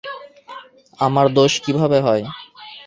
আমার দোষ কিভাবে হয়?